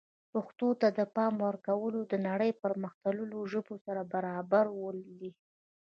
پښتو ته د پام ورکول د نړۍ د پرمختللو ژبو سره برابرول دي.